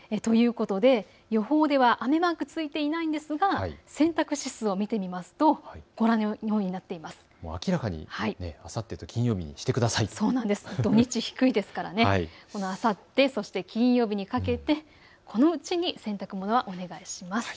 予報では雨マークは付いていないんですが洗濯指数を見ていきますと土日、低いですからあさって、そして金曜日にかけてこのうちに洗濯物はお願いします。